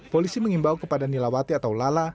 polisi mengimbau kepada nilawati atau lala